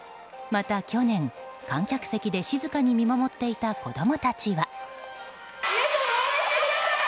また去年、観客席で静かに見守っていた子供たちは。